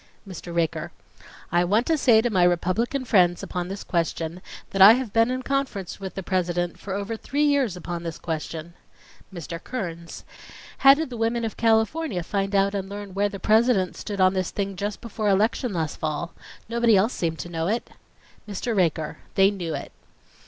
MR. RAKER: I want to say to my Republican friends upon this question that I have been in conference with the President for over three years upon this question .... MR. KEARNS: How did the women of California find out and learn where the President stood on this thing just before election last fall? Nobody else seemed to know it. MR. RAKER: They knew it.